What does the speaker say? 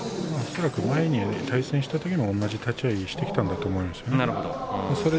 恐らく前に対戦したときも同じような立ち合いをしたんだと思うんですね。